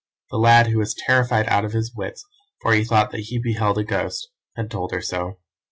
The lad, who was terrified out of his wits, for he thought that he beheld a ghost, had told her so.